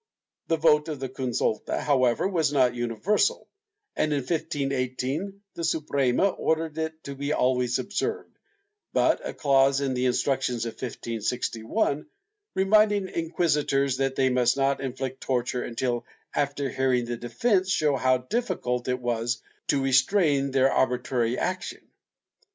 ^ The vote of the consulta however was not universal and, in 1518, the Suprema ordered it to be always observed, but a clause in the Instructions of 1561, reminding inquisitors that they must not inflict torture until after hearing the defence shows how difficult it was to restrain their arbitrary action.